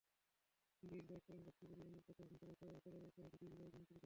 কিন্তু ইজিবাইকের চালাকেরা যাত্রী পরিবহন অব্যাহত রাখলে চালকেরা দুটি ইজিবাইক ভাঙচুর করেন।